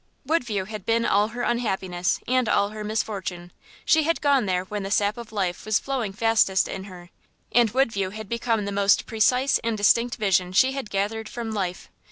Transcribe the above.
Woodview had been all her unhappiness and all her misfortune. She had gone there when the sap of life was flowing fastest in her, and Woodview had become the most precise and distinct vision she had gathered from life.